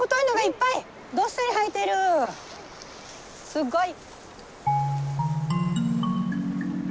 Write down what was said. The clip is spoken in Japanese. すごい。